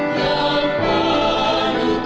yang ada di suta